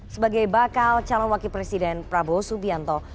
sebagai bakal calon wakil presiden prabowo subianto